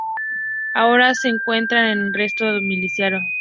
Ahora ella se encuentra en arresto domiciliario.